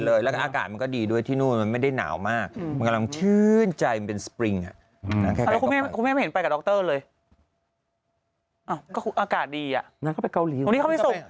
เลยอ้าวก็อากาศดีอ่ะงั้นก็ไปเกาหลีตรงนี้เขาไม่ส่ง